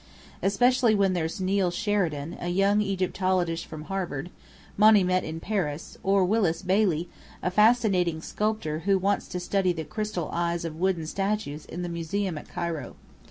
Especially when there's Neill Sheridan, a young Egyptologist from Harvard, Monny met in Paris, or Willis Bailey, a fascinating sculptor who wants to study the crystal eyes of wooden statues in the Museum at Cairo.